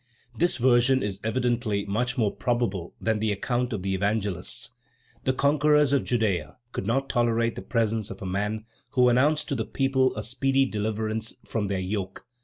This version is evidently much more probable than the account of the Evangelists. The conquerors of Judea could not long tolerate the presence of a man who announced to the people a speedy deliverance from their yoke.